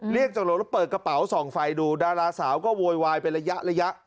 เรียกจากรถแล้วเปิดกระเป๋าสองเลยดูดาราสาวก็โวยวายไประยะระยะ